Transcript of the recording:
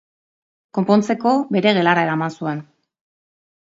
Konpontzeko, bere gelara eraman zuen.